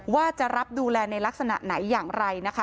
ว่าจะรับดูแลในลักษณะไหนอย่างไรนะคะ